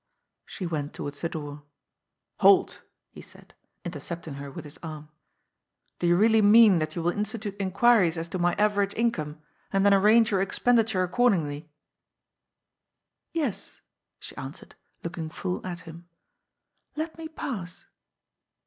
She went towards the door. " Halt !" he said, intercepting her with his arm. " Do you really mean that you will institute inquiries as to my A PARTNERSHIP WITH LIMITED LIABILITY. 253 average income, and then arrange your expenditure accord ingly?" "Yes," she answered, looking full at him. "Let me pass."